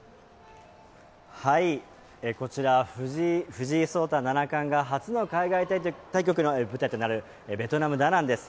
こちら、藤井聡太七冠が初の海外対局の舞台となるベトナム・ダナンです。